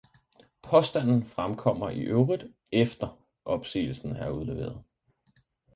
Påstanden fremkommer i øvrigt efter opsigelsen er udleveret.